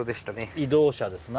移動車ですな